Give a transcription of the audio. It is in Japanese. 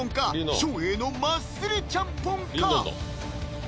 照英のマッスルちゃんぽんか？